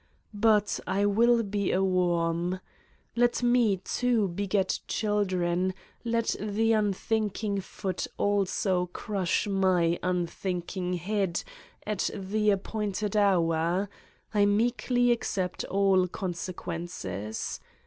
But I will be a worm. Let me, too, beget children, let the unthinking foot also crush my unthinking head at the appointed hour I meekly accept all consequences.